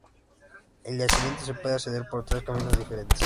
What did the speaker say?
Al yacimiento se puede acceder por tres caminos diferentes.